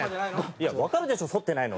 いやわかるでしょそってないの。